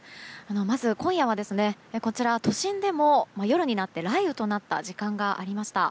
まず、今夜は都心でも夜になって雷雨となった時間がありました。